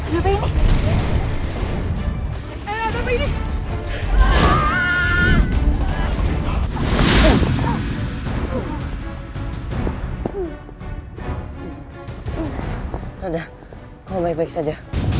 sudah aku mau baik baik saja